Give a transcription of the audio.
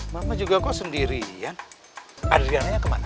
mama juga kok kesendirian adriananya kemana